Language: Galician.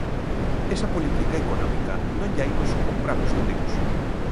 Esa política económica non lla imos comprar os galegos.